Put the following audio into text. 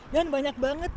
dan banyak banget